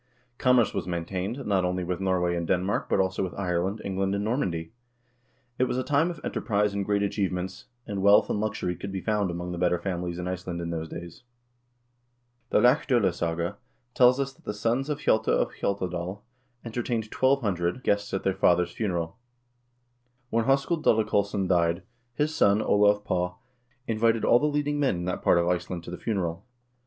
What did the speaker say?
Commerce was maintained, not only with Norway and Denmark, but also with Ireland, England, and Normandy. It was a time of enterprise and great achievements, and wealth and luxury could be found among the better families in Iceland in those days. The " Laxd0lasaga " tells us that the sons of Hjalte of Hjaltadal entertained twelve hundred (= 1440) guests at their father's funeral. When Hoskuld Dalakolls son died, his son, Olav Paa, invited all the leading men in that part of Iceland to the funeral.